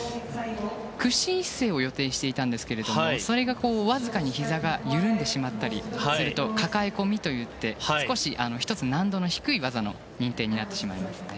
屈身姿勢を予定していたんですがそれが、わずかにひざが緩んでしまったりすると抱え込みといって１つ難度の低い技の認定になりますね。